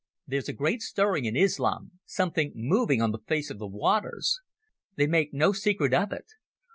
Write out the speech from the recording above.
There's a great stirring in Islam, something moving on the face of the waters. They make no secret of it.